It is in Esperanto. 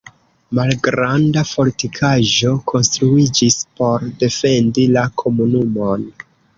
Malgranda fortikaĵo konstruiĝis por defendi la komunumon.